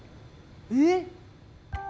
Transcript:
えっ？